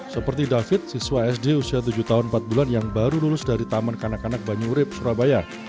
seperti david siswa sd usia tujuh tahun empat bulan yang baru lulus dari taman kanak kanak banyurip surabaya